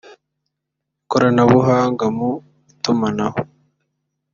ikoranabuhanga mu itumanaho